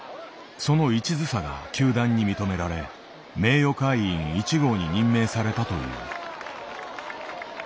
その一途さが球団に認められ名誉会員１号に任命されたという。